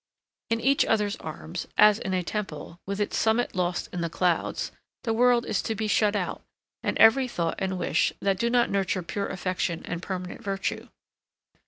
In each other's arms, as in a temple, with its summit lost in the clouds, the world is to be shut out, and every thought and wish, that do not nurture pure affection and permanent virtue.